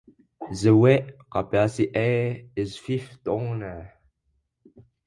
The weight capacity is five tonnes.